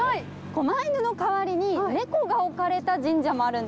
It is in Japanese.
こま犬の代わりに猫が置かれた神社もあるんです。